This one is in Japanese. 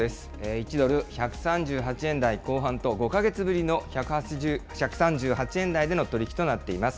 １ドル１３８円台後半と、５か月ぶりの１３８円台での取り引きとなっています。